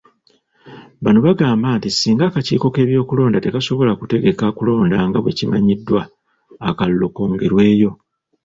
Bano bagamba nti singa akakiiko k'ebyokulonda tekasobola kutegeka kulonda nga bwe kumanyiddwa, akalulu kongerweyo.